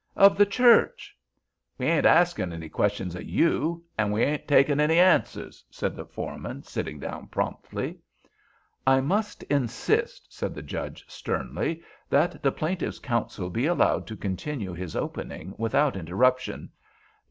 "Of the Church!" "We ain't askin' any questions o' you—and we ain't takin' any answers," said the foreman, sitting down promptly. "I must insist," said the Judge, sternly, "that the plaintiff's counsel be allowed to continue his opening without interruption.